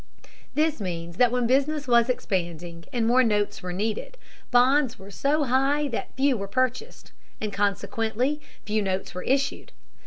This means that when business was expanding, and more notes were needed, bonds were so high that few were purchased, and consequently few notes were issued.